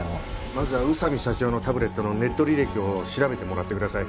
まずは宇佐美社長のタブレットのネット履歴を調べてもらってください。